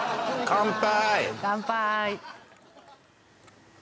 乾杯！